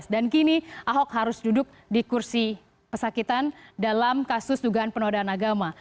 dan kini ahok harus duduk di kursi pesakitan dalam kasus dugaan penodaan agama